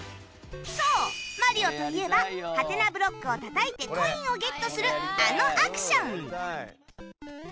そう『マリオ』といえばハテナブロックをたたいてコインをゲットするあのアクション